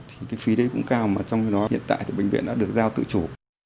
thì cái phí đấy cũng cao mà trong khi đó hiện tại thì bệnh viện đã được giao tự chủ